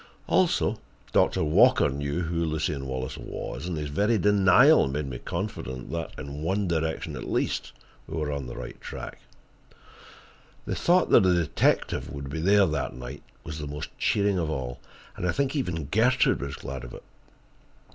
Also, Doctor Walker knew who Lucien Wallace was, and his very denial made me confident that, in that one direction at least, we were on the right track. The thought that the detective would be there that night was the most cheering thing of all, and I think even Gertrude was glad of it.